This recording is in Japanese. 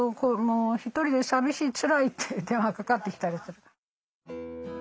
１人で寂しいつらい」って電話かかってきたりする。